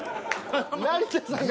成田さんが。